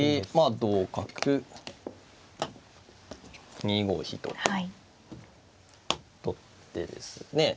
同角２五飛と取ってですね